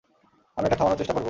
আমি এটা থামানোর চেষ্টা করব।